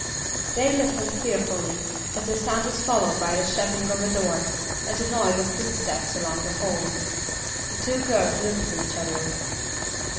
They listened fearfully, as the sound was followed by the shutting of a door, and the noise of footsteps along the hall. The two girls looked at each other.